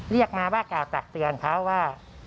เรียกมาว่ากล่าวตักเตือนเขาว่า